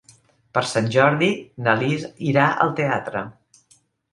Per Sant Jordi na Lis irà al teatre.